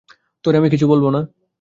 তোরে আমি কিছু বলব না!